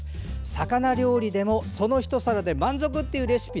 魚料理でもそのひと皿で満足というレシピ